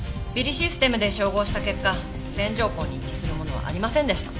ＢＩＲＩシステムで照合した結果線条痕に一致するものはありませんでした。